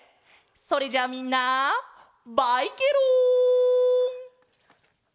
それじゃあみんなバイケロン！